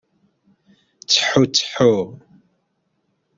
Ttehu, ttehu.